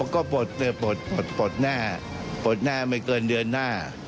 ก็ปลดปลดหน้าปลดหน้าไม่เกินเดือนหน้า